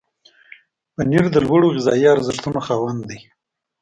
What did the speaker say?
پنېر د لوړو غذایي ارزښتونو خاوند دی.